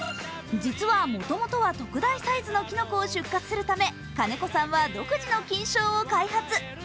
実はもともとは特大サイズのきのこを出荷するため金子さんは独自の菌床を開発。